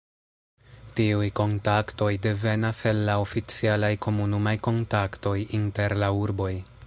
Tiuj kontaktoj devenas el la oficialaj komunumaj kontaktoj inter la urboj.